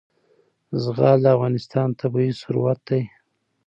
زغال د افغانستان طبعي ثروت دی.